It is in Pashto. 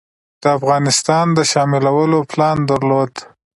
د افغانستان د شاملولو پلان درلود.